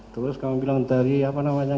terus kamu bilang tadi apa namanya